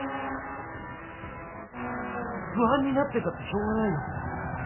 あっ不安になってたってしょうがないよ。